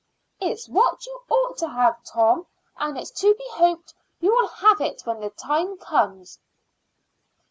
"It's what you ought to have, Tom, and it's to be hoped you will have it when the time comes."